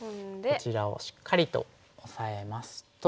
こちらをしっかりとオサえますと。